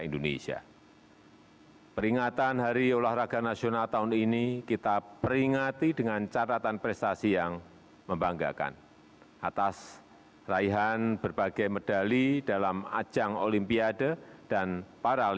prof dr tandio rahayu rektor universitas negeri semarang yogyakarta